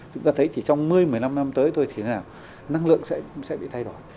chúng ta thấy chỉ trong một mươi một mươi năm năm tới thôi thì thế nào năng lượng sẽ bị thay đổi